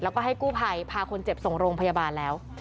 แล้วก็ให้กู้ภัยพาคนเจ็บส่งโรงพยาบาลแล้ว